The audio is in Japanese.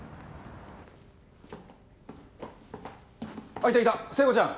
あっいたいた聖子ちゃん